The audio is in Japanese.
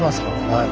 はい。